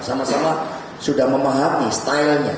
sama sama sudah memahami stylenya